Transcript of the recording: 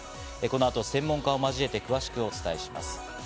この後、専門家を交えて詳しくお伝えします。